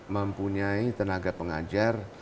mempunyai tenaga pengajar